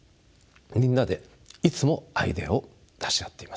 みんなでいつもアイデアを出し合っています。